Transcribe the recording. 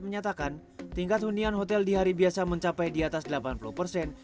menyatakan tingkat hunian hotel di hari biasa mencapai di atas delapan puluh persen